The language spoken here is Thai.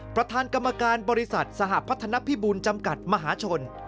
ประธานกรรมการบริษัทสหพัฒนภิบูลจำกัดมหาชน